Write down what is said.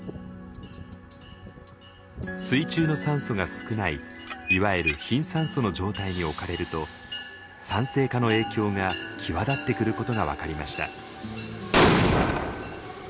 水中の酸素が少ないいわゆる貧酸素の状態におかれると酸性化の影響が際立ってくることが分かりました。